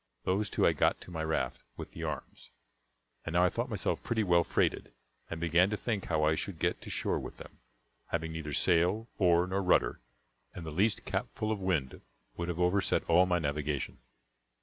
Those two I got to my raft, with the arms. And now I thought myself pretty well freighted, and began to think how I should get to shore with them, having neither sail, oar, nor rudder; and the least capful of wind would have overset all my navigation.